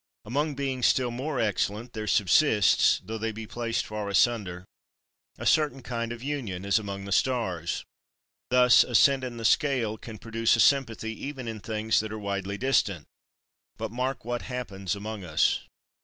Among beings still more excellent, there subsists, though they be placed far asunder, a certain kind of union, as among the stars. Thus ascent in the scale can produce a sympathy even in things that are widely distant. But mark what happens among us.